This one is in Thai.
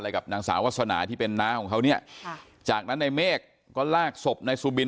กับนางสาววาสนาที่เป็นน้าของเขาเนี่ยค่ะจากนั้นในเมฆก็ลากศพนายสุบิน